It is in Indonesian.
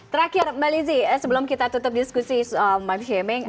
terakhir mbak lizzie sebelum kita tutup diskusi mom shaming